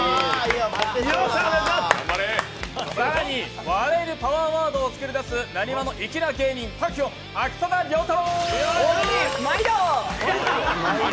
更に、笑えるパワーワードを作り出すナニワの粋な芸人、滝音・秋定遼太郎！